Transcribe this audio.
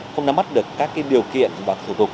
không nắm bắt được các điều kiện và thủ tục